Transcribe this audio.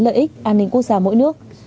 lợi ích an ninh quốc gia mỗi nước